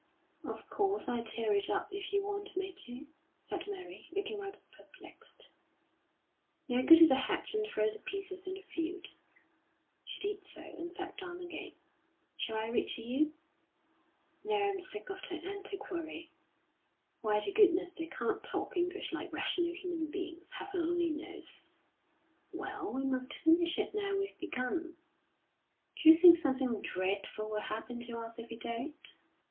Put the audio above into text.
"Of course, I'll tear it up if you want me to," said Mary, looking rather perplexed. "Now, go to the hedge and throw the pieces in the field." She did so, and sat down again. "Shall I read to you?" "No, I'm sick of the 'Antiquary.' Why the goodness they can't talk English like rational human beings, Heaven only knows!" "Well, we must finish it now we've begun." "D'you think something dreadful will happen to us if we don't?"